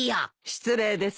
失礼ですよ。